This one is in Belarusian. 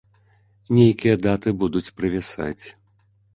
Нейкія даты будуць правісаць.